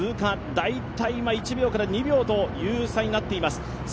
大体１秒から２秒という差になっています。